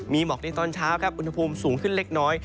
มีหมอกในตอนเช้าครับอุณหภูมิสูงขึ้นเล็กน้อย